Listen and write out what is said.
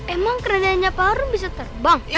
emang kerendahnya pak harun bisa terbang